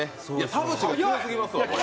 田渕も強すぎますわ、これ。